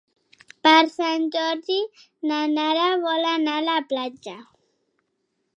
Per Sant Jordi na Nara vol anar a la platja.